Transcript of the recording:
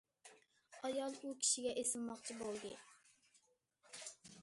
ئايال ئۇ كىشىگە ئېسىلماقچى بولدى.